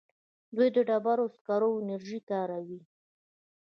دوی د ډبرو سکرو انرژي کاروي.